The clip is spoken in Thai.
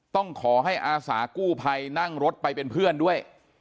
ต้องขอให้อาสากู้ภัยนั่งรถไปเป็นเพื่อนด้วย